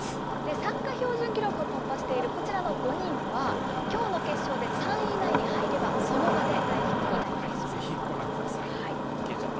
参加標準記録を突破しているこちらの５人は、きょうの決勝で３位以内に入れば、その場で代表に内ぜひご覧ください。